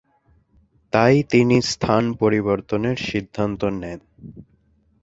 তাই তিনি স্থান পরিবর্তনের সিদ্ধান্ত নেন।